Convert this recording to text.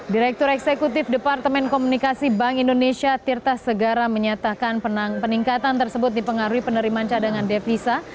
direktur eksekutif departemen komunikasi bank indonesia tirta segara menyatakan peningkatan tersebut dipengaruhi penerimaan cadangan devisa